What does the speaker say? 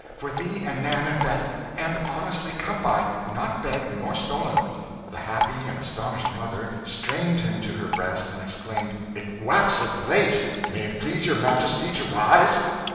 for thee and Nan and Bet and honestly come by, not begged nor stolen!" The happy and astonished mother strained him to her breast and exclaimed "It waxeth late may it please your Majesty to rise?"